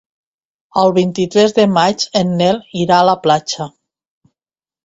El vint-i-tres de maig en Nel irà a la platja.